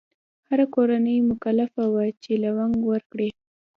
هره کورنۍ مکلفه وه چې لونګ ورکړي.